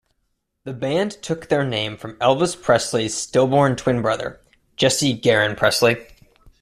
The band took their name from Elvis Presley's stillborn twin brother, Jesse Garon Presley.